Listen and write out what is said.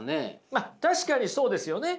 まあ確かにそうですよね。